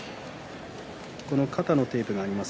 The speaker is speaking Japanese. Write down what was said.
肩のテープがあります。